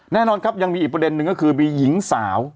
แน่นอนครับยังมีอีกประเด็นหนึ่งก็คือมีหญิงสาว